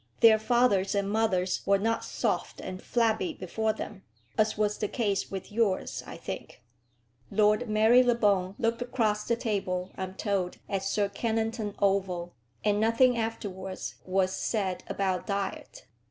Their fathers and mothers were not soft and flabby before them, as was the case with yours, I think." Lord Marylebone looked across the table, I am told, at Sir Kennington Oval, and nothing afterwards was said about diet.